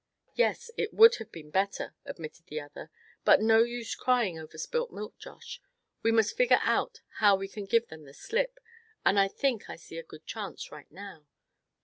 "Yes, it would have been better," admitted the other; "but no use crying over spilt milk, Josh. We must figure out how we can give them the slip; and I think I see a good chance right now."